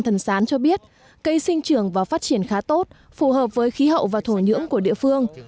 thần sán cho biết cây sinh trưởng và phát triển khá tốt phù hợp với khí hậu và thổ nhưỡng của địa phương